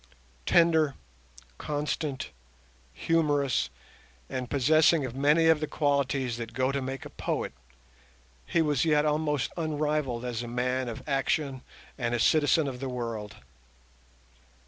Tender, constant, humorous, and possessing of many of the qualities that go to make a poet, he was yet almost unrivalled as a man of action and a citizen of the world.